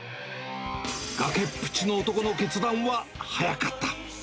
崖っぷちの男の決断は早かった。